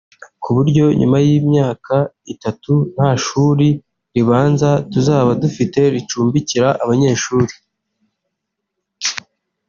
ku buryo nyuma y’imyaka itatu nta shuri ribanza tuzaba dufite ricumbikira abanyeshuri